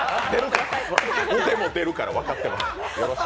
出るから分かってます。